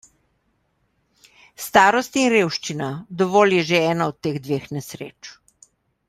Starost in revščina - dovolj je že ena od teh dveh nesreč.